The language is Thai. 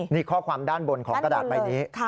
นี่ข้อความด้านบนของกระดาษใบนี้